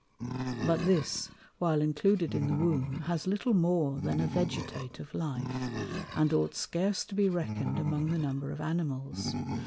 But this, while included in the Womb, has little more than a vegetative Life, and ought scarce to be reckon'd among the number of Animals.